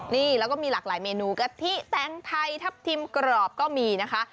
นี่แล้วก็มีหลากหลายเมนูกะทิแตงไทยทับทิมกรอบก็มีนะคะ